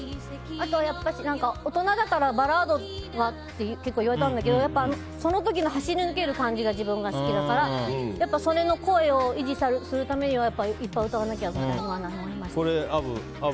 あと、やっぱし大人だからバラードは？と結構、言われたんだけどその時の走り抜ける感じが自分が好きだからその声を維持するためにはいっぱい歌わなきゃなと思いました。